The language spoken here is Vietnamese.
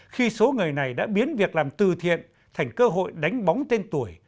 khi số người này đã biến việc làm từ thiện thành cơ hội đánh bóng tên tuổi